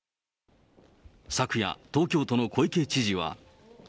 昨夜、東京都の小池知事は。